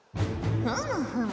ふむふむ。